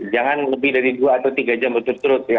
jangan lebih dari dua atau tiga jam berturut turut ya